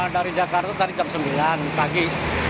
dari jakarta tadi jam sembilan pagi